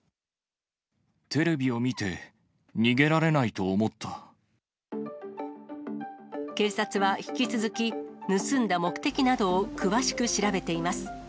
テレビを見て、警察は引き続き、盗んだ目的などを詳しく調べています。